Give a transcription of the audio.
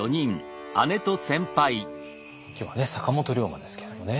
今日は坂本龍馬ですけれどもね。